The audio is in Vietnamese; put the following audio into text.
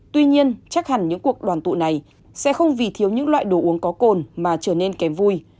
tuy nhiên chắc hẳn những cuộc đoàn tụ này sẽ không vì thiếu những loại đồ uống có cồn mà trở nên kém vui